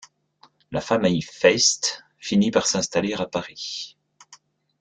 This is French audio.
La famille Feist finit par s'installer à Paris.